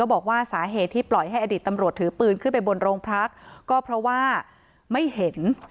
บอกว่าสาเหตุที่ปล่อยให้อดีตตำรวจถือปืนขึ้นไปบนโรงพักก็เพราะว่าไม่เห็น